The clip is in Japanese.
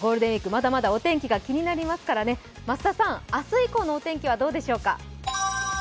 まだまだお天気が気になりますからね、増田さん、明日以降のお天気はどうでしょうか。